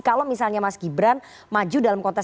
kalau misalnya mas gibran maju dalam konteks